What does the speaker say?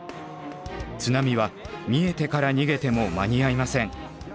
津波は見えてから逃げても間に合いません。